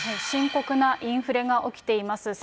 深刻なインフレが起きています。